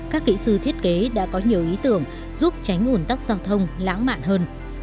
các kỹ sư thiết kế đã có nhiều ý tưởng giúp tránh ủn tắc giao thông lãng mạn hơn